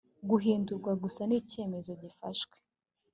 guhindurwa gusa n’icyemezo gifashwe